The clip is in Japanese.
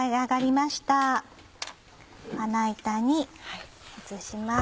まな板に移します。